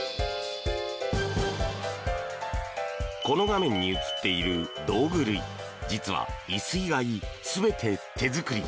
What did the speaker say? この画面に映っている道具類実は椅子以外、全て手作り。